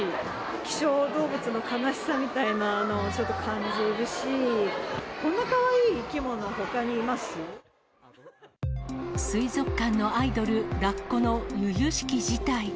希少動物の悲しさみたいなのこんなかわいい生き物、水族館のアイドル、ラッコのゆゆしき事態。